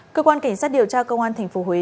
cơ quan cảnh sát điều tra công an tp huế